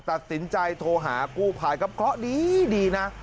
ตัดสินใจโทรหากูภายครับก็ดีนะ